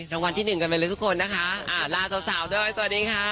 รางวัลที่หนึ่งกันไปเลยทุกคนนะคะอ่าลาสาวสาวด้วยสวัสดีค่ะ